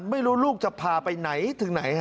ไม่รู้ลูกจะพาไปไหนถึงไหน